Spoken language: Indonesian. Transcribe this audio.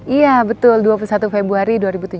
iya betul dua puluh satu februari dua ribu tujuh belas